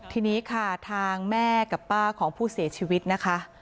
ทีนี้ค่ะทางแม่กับป้าของผู้เสียชีวิตนะคะ